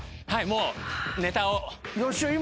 もうネタを。